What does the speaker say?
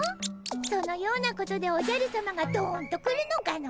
そのようなことでおじゃるさまがどんと来るのかの？